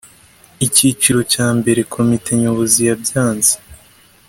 Icyiciro cya mbere Komite Nyobozi yabyanze